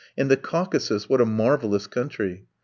And the Caucasus, what a marvellous country!